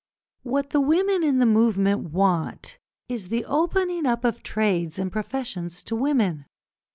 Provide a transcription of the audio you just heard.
What the women in the movement want is the opening up of trades and professions to women.